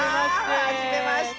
はじめまして。